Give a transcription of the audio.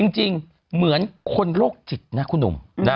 จริงเหมือนคนโรคจิตนะคุณหนุ่ม